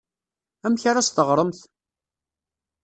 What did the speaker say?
Amek ara as-teɣremt?